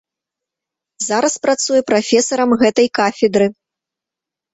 Зараз працуе прафесарам гэтай кафедры.